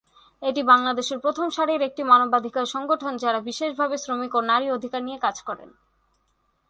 এটি বাংলাদেশের প্রথম সারির একটি মানবাধিকার সংগঠন যারা বিশেষভাবে শ্রমিক ও নারী অধিকার নিয়ে কাজ করেন।